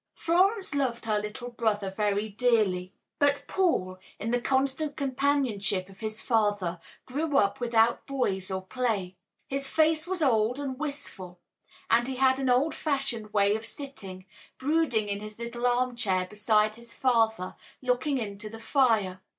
Florence loved her little brother very dearly, but Paul, in the constant companionship of his father, grew up without boys or play. His face was old and wistful, and he had an old fashioned way of sitting, brooding in his little arm chair beside his father, looking into the fire.